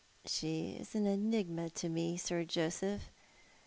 " "She is an enigma to me, Sir Joseph.